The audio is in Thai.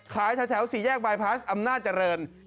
ขายแถวสี่แยกบายพลาสอำนาจริง